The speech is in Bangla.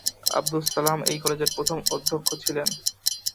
আবদুস সালাম এই কলেজের প্রথম অধ্যক্ষ ছিলেন।